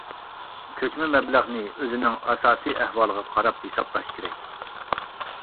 كۆچمە مەبلەغنى ئۆزىنىڭ ئاساسىي ئەھۋالىغا قاراپ ھېسابلاش كېرەك.